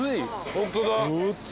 ホントだ。